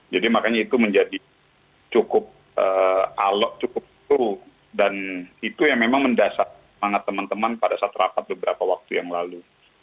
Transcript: jadi makanya itu menjadi cukup alok cukup seluruh dan itu yang memang mendasar semangat teman teman pada saat rapat beberapa waktu yang lalu